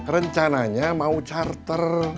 rencananya mau charter